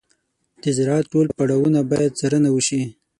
د زراعت ټول پړاوونه باید څارنه وشي.